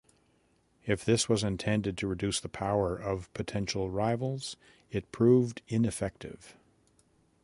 If this was intended to reduce the power of potential rivals, it proved ineffective.